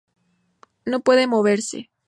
No puede moverse.